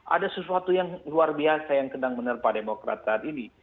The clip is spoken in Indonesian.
ada sesuatu yang luar biasa yang sedang menerpa demokrat saat ini